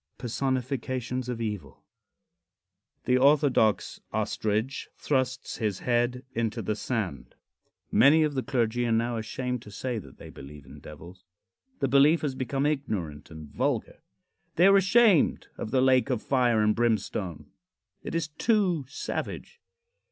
V. PERSONIFICATIONS OF EVIL. The Orthodox Ostrich Thrusts His Head into the Sand. Many of the clergy are now ashamed to say that they believe in devils. The belief has become ignorant and vulgar. They are ashamed of the lake of fire and brimstone. It is too savage.